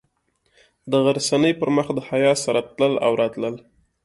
د غرڅنۍ پر مخ د حیا سره تلل او راتلل.